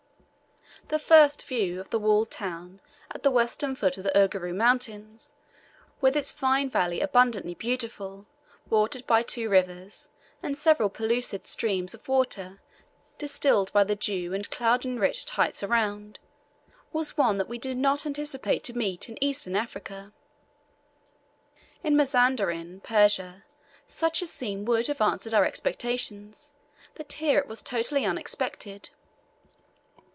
The first view of the walled town at the western foot of the Uruguru mountains, with its fine valley abundantly beautiful, watered by two rivers, and several pellucid streams of water distilled by the dew and cloud enriched heights around, was one that we did not anticipate to meet in Eastern Africa. In Mazanderan, Persia, such a scene would have answered our expectations, but here it was totally unexpected.